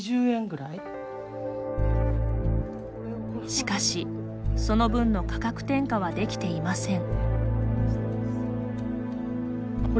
しかし、その分の価格転嫁はできていません。